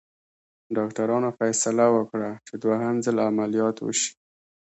ډاکټرانو فیصله وکړه چې دوهم ځل عملیات وشي.